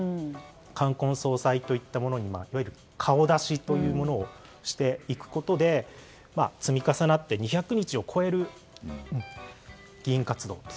冠婚葬祭といったものに顔出しというものをしていくことで積み重なって２００日を超える議員活動に。